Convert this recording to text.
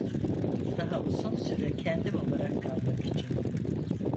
Daha uzun süre kendim olarak kalmak için…